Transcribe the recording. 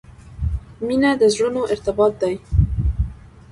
• مینه د زړونو ارتباط دی.